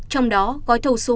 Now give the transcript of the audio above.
trong đó gói thầu số hai